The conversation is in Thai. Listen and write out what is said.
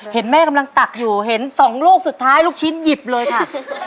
เห็นแม่กำลังตักอยู่เห็น๒ลูกสุดท้ายลูกชิ้นหยิบเลยค่ะ